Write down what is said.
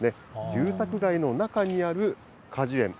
住宅街の中にある果樹園。